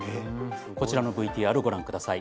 こちらのＶＴＲご覧ください。